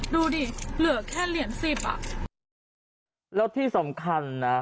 ดูดิเหลือแค่เหรียญสิบอ่ะแล้วที่สำคัญนะ